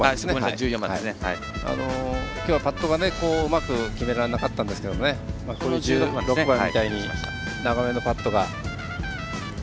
きょうはパットがうまく決められなかったんですが１６番みたいに長めのパットが。